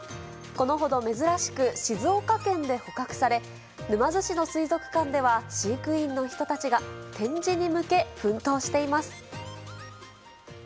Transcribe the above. このほど珍しく静岡県で捕獲され、沼津市の水族館では、飼育員の人たちが展示に向け奮闘しています。